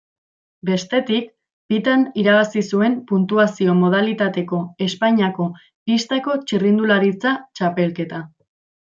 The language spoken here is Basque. Bestetik, bitan irabazi zuen puntuazio modalitateko Espainiako pistako txirrindularitza txapelketa.